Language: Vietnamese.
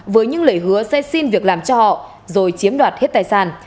với những lời hứa sẽ xin việc làm cho họ rồi chiếm đoạt hết tài sản